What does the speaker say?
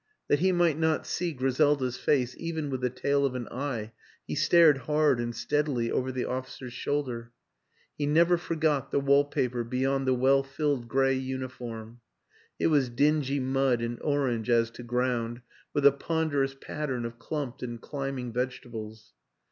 ... That he might not see Griselda's face even with the tail of an eye he stared hard and steadily over the officer's shoulder. He never forgot the wall paper beyond the well filled gray uniform; it was dingy mud and orange as to ground with a ponderous pattern of clumped and climbing vegetables.